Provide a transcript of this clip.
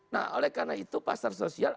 nah oleh karena itu pasar sosial